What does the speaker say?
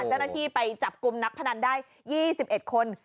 เจ้าหน้าที่ไปจับกลุ่มนักพนันได้๒๑คน